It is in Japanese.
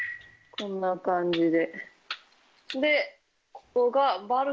こんな感じで。